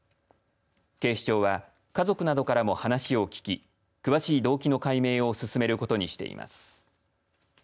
警視庁は家族などからも話を聞き詳しい動機の解明を進めることにしています。